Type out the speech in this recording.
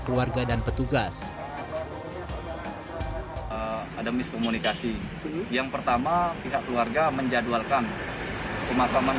keluarga dan petugas ada miskomunikasi yang pertama pihak keluarga menjadwalkan pemakaman